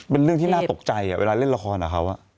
เป็นเรื่องที่น่าตกใจเวลาเล่นละครกับเขา